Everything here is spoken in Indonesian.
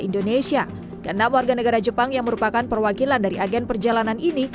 indonesia ke enam warga negara jepang yang merupakan perwakilan dari agen perjalanan ini